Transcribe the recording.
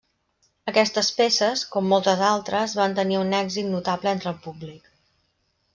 Aquestes peces, com moltes altres, van tenir un èxit notable entre el públic.